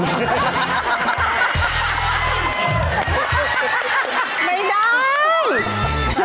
ไม่ได้